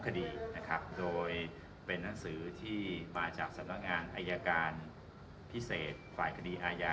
คดีนะครับโดยเป็นนังสือที่มาจากสำนักงานอายการพิเศษฝ่ายคดีอาญา